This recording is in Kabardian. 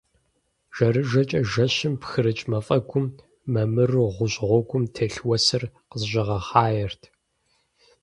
Жэрыжэкӏэ жэщым пхырыкӏ мафӏэгум, мэмыру гъущӏ гъуэгум телъ уэсыр къызэщӏигъэхъаерт.